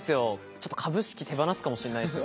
ちょっと株式手放すかもしれないっすよ。